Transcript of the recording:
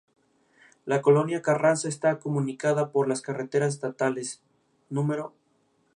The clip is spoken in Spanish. La Colonia Carranza está comunicada por las carreteras estatales No.